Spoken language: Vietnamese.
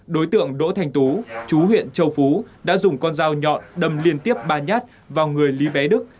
đối tượng đỗ thanh tú chú huyện châu phú đã dùng con dao nhọn đâm liên tiếp ba nhát vào người lý bé đức